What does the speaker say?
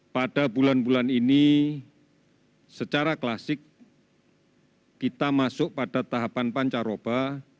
pada bulan bulan ini secara klasik kita masuk pada tahapan pancaroba